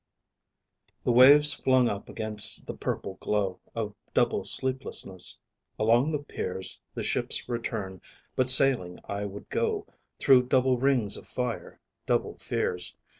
A. The waves flung up against the purple glow of double sleeplessness. Along the piers the ships return; but sailing I would go through double rings of fire, double fears.